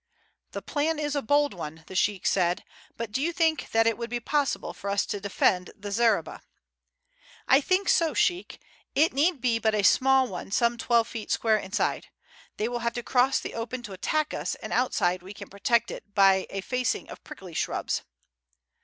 "The plan is a bold one," the sheik said; "but do you think that it would be possible for us to defend the zareba?" "I think so, sheik. It need be but a small one some twelve feet square inside. They will have to cross the open to attack us, and outside we can protect it by a facing of prickly shrubs."